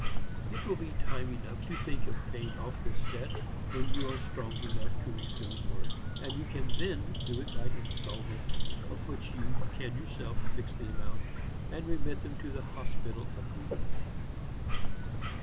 It will be time enough to think of paying off this debt when you are strong enough to resume work, and you can then do it by instalments, of which you can yourself fix the amount, and remit them to the hospital of New York.'